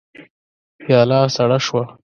پياله سړه شوه.